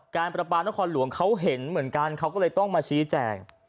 ประปานครหลวงเขาเห็นเหมือนกันเขาก็เลยต้องมาชี้แจง